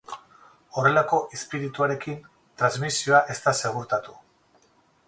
Horrelako izpirituarekin, transmisioa ez da segurtatu.